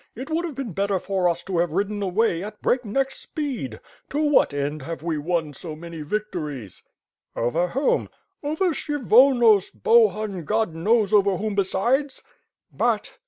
"It would have been better for us to have ridden away at breakneck speed. To what end have we won so many victories!" "Over whom?" "Over Kshyvonos, Bohun, God knows over whom besides." "But